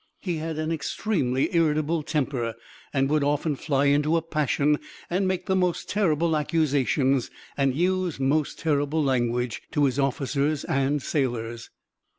He had an extremely irritable temper, and would often fly into a passion and make most terrible accusations, and use most terrible language to his officers and sailors.